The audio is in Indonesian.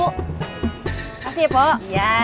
terima kasih ya pok